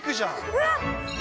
うわっ。